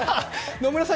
野村さん